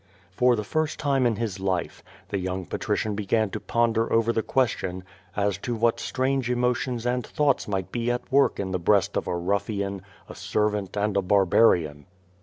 For the first time in his life, the young patrician began to ponder over the question as to wliat strange emotions and thouglits might be at work in the breast of a ruffian, a servant, and a barbarian.